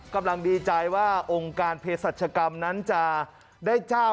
กำลังดีใจว่าองค์การเพศรัชกรรมนั้นจะได้เจ้า